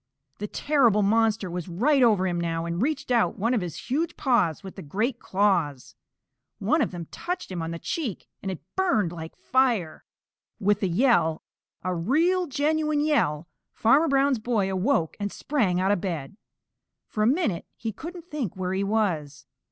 The terrible monster was right over him now and reached out one of his huge paws with the great claws. One of them touched him on the cheek, and it burned like fire. With a yell, a real, genuine yell, Farmer Brown's boy awoke and sprang out of bed. For a minute he couldn't think where he was.